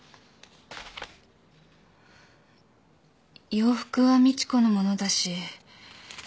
洋服は美知子のものだし。